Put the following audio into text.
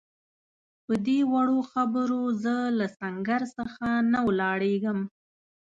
پدې وړو خبرو زه له سنګر څخه نه ولاړېږم.